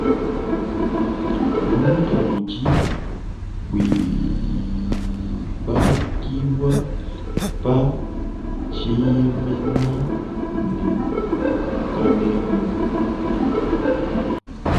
Bulunda budi buibakibua pa dieyemena ne kanemu.